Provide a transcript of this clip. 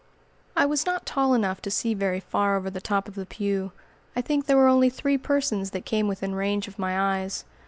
I was not tall enough to see very far over the top of the pew. I think there were only three persons that came within range of my eyes.